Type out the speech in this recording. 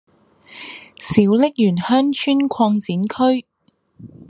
小瀝源鄉村擴展區